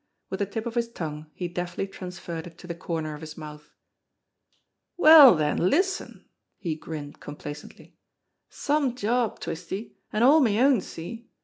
With the tip of his tongue he deftly transferred it to the corner of his mouth. "Well, den, listen !" he grinned complacently. "Some job, Twisty; an' all me own see?